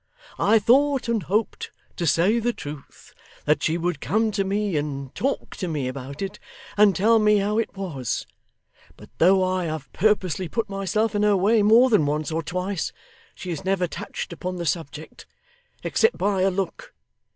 I thought and hoped, to say the truth, that she would come to me, and talk to me about it, and tell me how it was; but though I have purposely put myself in her way more than once or twice, she has never touched upon the subject except by a look.